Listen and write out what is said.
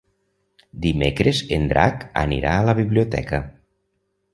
Dimecres en Drac anirà a la biblioteca.